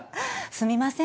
すみません